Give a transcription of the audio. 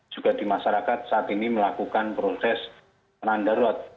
juga di masyarakat saat ini melakukan proses penandarot